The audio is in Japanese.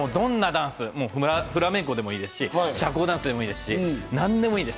フラメンコでもいいですし、社交ダンスでもいい、何でもいいです。